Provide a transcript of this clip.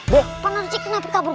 bu kenapa kabur